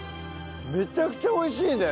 めちゃくちゃ美味しいね。